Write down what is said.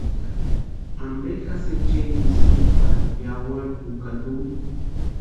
¿Ampe jásï echerisïni pari yawarhi úkata úni?